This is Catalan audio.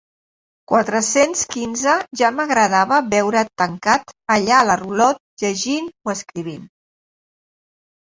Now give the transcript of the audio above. Quatre-cents quinze ja m'agradava veure't tancat allà a la rulot, llegint o escrivint.